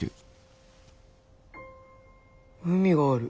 海がある。